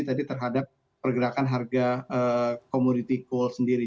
tadi terhadap pergerakan harga komoditi cold sendiri